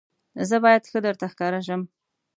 زه باید ښه درته ښکاره شم.